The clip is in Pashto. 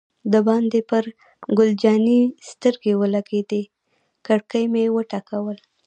دباندې مې پر ګل جانې سترګې ولګېدې، کړکۍ مې و ټکول.